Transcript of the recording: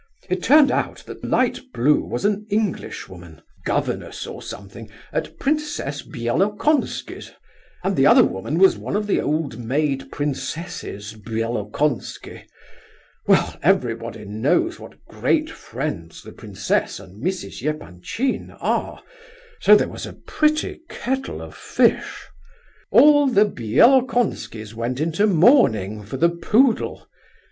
It turned out that 'light blue' was an Englishwoman, governess or something, at Princess Bielokonski's, and the other woman was one of the old maid princesses Bielokonski. Well, everybody knows what great friends the princess and Mrs. Epanchin are, so there was a pretty kettle of fish. All the Bielokonskis went into mourning for the poodle.